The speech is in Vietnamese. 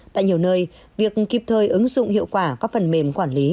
tại nhiều nơi việc kịp thời ứng dụng hiệu quả các phần mềm quản lý